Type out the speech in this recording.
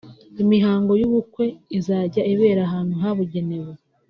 “Imihango y’ubukwe izajya ibera ahantu habugenewe